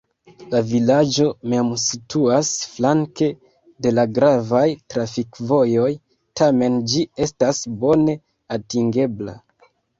La vilaĝo mem situas flanke de la gravaj trafikvojoj, tamen ĝi estas bone atingebla.